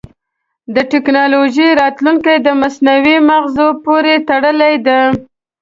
د ټکنالوجۍ راتلونکی د مصنوعي مغزو پورې تړلی دی.